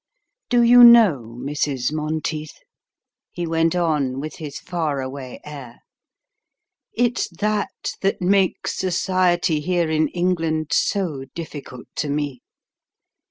Do you know, Mrs. Monteith," he went on, with his far away air, "it's that that makes society here in England so difficult to me.